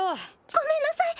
ごめんなさい